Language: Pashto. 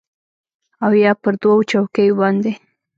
او یا پر دوو چوکیو باندې